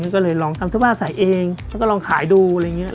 ก็เลยลองทำเสื้อผ้าใส่เองแล้วก็ลองขายดูอะไรอย่างนี้